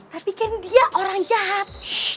tapi kan dia orang jahat